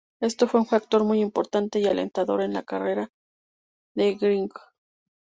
Esto fue un factor muy importante y alentador en la carrera de Grieg.